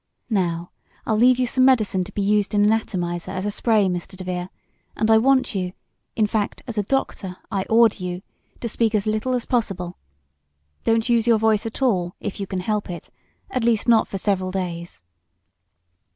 Now, I'll leave you some medicine to be used in an atomizer, as a spray, Mr. DeVere, and I want you in fact as a doctor I order you to speak as little as possible. Don't use your voice at all, if you can help it at least not for several days."